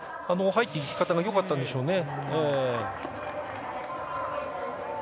入っていき方がよかったんでしょうね。